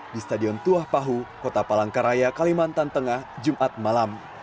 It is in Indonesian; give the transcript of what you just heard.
di stadion tuah pahu kota palangkaraya kalimantan tengah jumat malam